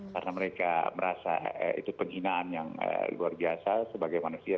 karena mereka merasa itu penghinaan yang luar biasa sebagai manusia